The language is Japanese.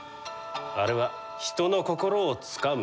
あれは人の心をつかむ天才じゃ。